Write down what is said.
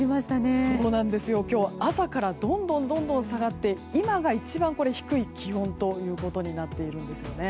今日、朝からどんどん下がって今が一番低い気温となっているんですね。